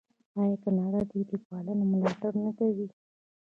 آیا کاناډا د لیکوالانو ملاتړ نه کوي؟